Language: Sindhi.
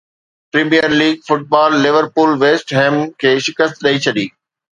premier league football Liverpool West Ham کي شڪست ڏئي ڇڏي